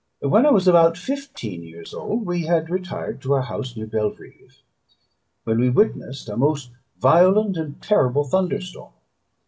When I was about fifteen years old we had retired to our house near Belrive, when we witnessed a most violent and terrible thunder storm.